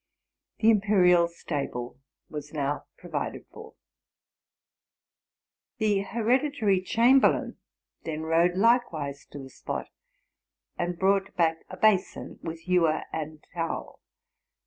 The imperial stable was now provided for. The hereditary chamberlain then rode likewise to the spot, and brought back a basin with ewer and towel.